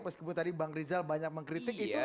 meskipun tadi bang rizal banyak mengkritik itu